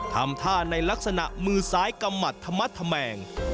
ทำท่าในลักษณะมือซ้ายกำหมัดธมัดธแมง